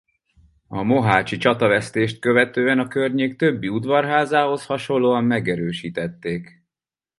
A mohácsi csatavesztést követően a környék többi udvarházához hasonlóan megerősítették.